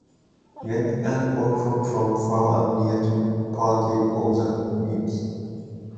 Young and old flock from far and near to partake of the meat.